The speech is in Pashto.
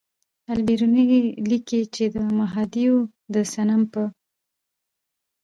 البېروني لیکي چې د مهادیو د صنم په